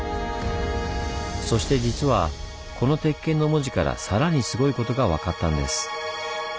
そして実はこの鉄剣の文字からさらにすごいことが分かったんです。